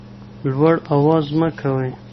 لوړ اواز مه کوئ.